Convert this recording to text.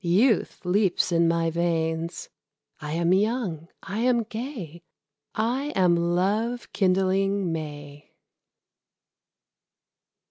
Youth leaps in my veins I am young, I am gay I am love kindling May.